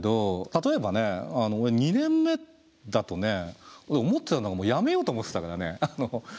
例えばね俺２年目だとね思ってたのがもうやめようと思ってたからね。